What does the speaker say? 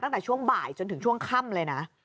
ตั้งแต่ช่วงบ่ายจนถึงช่วงค่ำเลยนะ